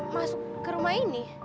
masuk ke rumah ini